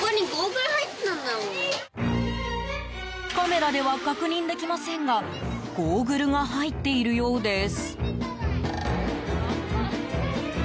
カメラでは確認できませんがゴーグルが入っているようです。